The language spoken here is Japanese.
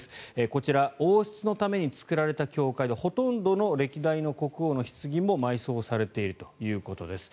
こちら、王室のために作られた教会でほとんどの歴代の国王のひつぎも埋葬されているということです。